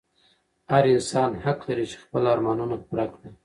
هر انسان حق لري چې خپل ارمانونه پوره کړي.